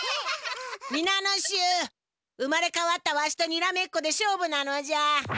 みなのしゅう生まれかわったわしとにらめっこで勝負なのじゃ！